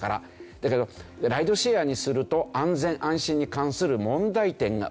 だけどライドシェアにすると安全・安心に関する問題点が多い。